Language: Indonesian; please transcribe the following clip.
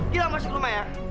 gila masuk rumah ya